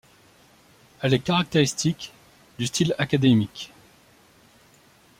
Elle est caractéristique du style académique.